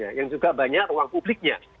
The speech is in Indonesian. ya yang juga banyak ruang publiknya